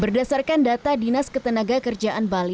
berdasarkan data dinas ketenaga kerjaan bali